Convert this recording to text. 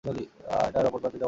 আয়নার অপর প্রান্তের জগতটাই আসল!